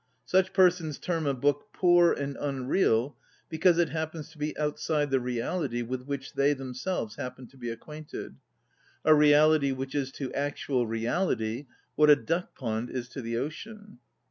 Such persons term a book poor and unreal because it hap pens to be outside the reality with which they themselves happen to be acquainted, ŌĆö a reahty which is to actual reality what a duck pond is to the ocean.